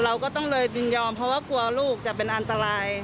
เราก็ต้องเลยยินยอมเพราะว่ากลัวลูกจะเป็นอันตราย